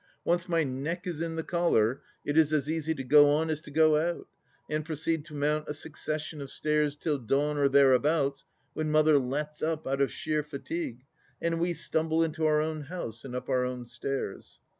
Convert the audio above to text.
Once my neck is in the collar it is as easy to go on as to go out, and proceed to mount a succession of stairs till dawn or thereabouts, when Mother "lets up" out of sheer fatigue and we stumble into our own house and up our own stairs.